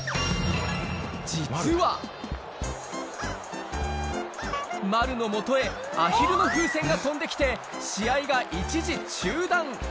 実は丸の元へアヒルの風船が飛んで来て試合が一時中断